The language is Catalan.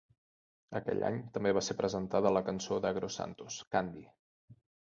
Aquell any, també va ser presentada a la cançó d'Aggro Santos "Candy".